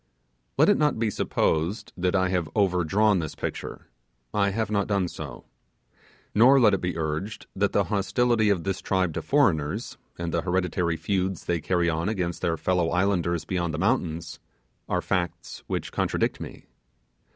Let it not be supposed that I have overdrawn this picture. I have not done so. Nor let it be urged, that the hostility of this tribe to foreigners, and the hereditary feuds they carry on against their fellow islanders beyond the mountains, are facts which contradict me.